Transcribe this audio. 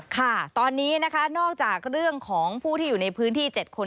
ค่ะตอนนี้นะคะนอกจากเรื่องของผู้ที่อยู่ในพื้นที่๗คน